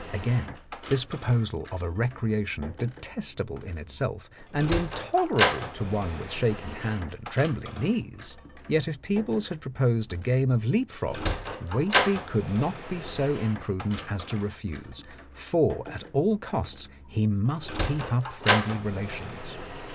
Again this proposal of a recreation detestable in itself and intolerable to one with shaking hand and trembling knees ! Yet if Peebles had proposed a game of leap frog Whately could not be so imprudent as to refuse, for at all costs he must keep up friendly relations.